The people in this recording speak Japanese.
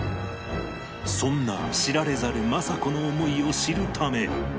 そんな知られざる政子の思いを知るため